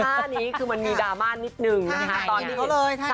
ท่านี้คือมันมีดราม่านนิดนึงนะคะ